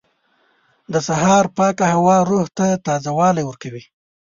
• د سهار پاکه هوا روح ته تازهوالی ورکوي.